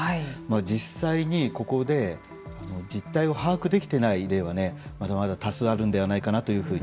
実際に、ここで実態を把握できていない例はまだまだ多数あるのではないかな